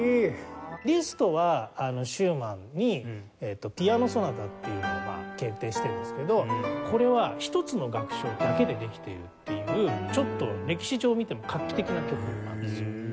リストはシューマンに『ピアノ・ソナタ』っていうのを献呈してるんですけどこれは１つの楽章だけでできているっていうちょっと歴史上見ても画期的な曲なんですよ。